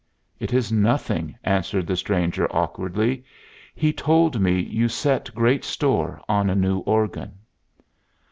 "It is nothing," answered the stranger, awkwardly. "He told me you set great store on a new organ."